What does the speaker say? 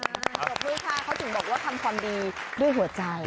จบด้วยค่ะเขาถึงบอกว่าทำความดีด้วยหัวใจ